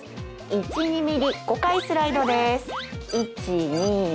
１２ｍｍ５回スライドです。